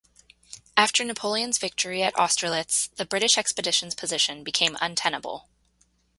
After Napoleon's victory at Austerlitz, the British expedition's position became untenable.